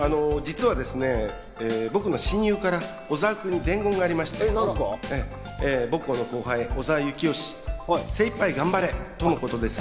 実は僕の親友から小澤さんに伝言がありまして、僕の後輩・小澤征悦、精いっぱい頑張れ！とのことです。